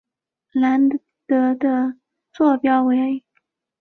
兰德的座标为。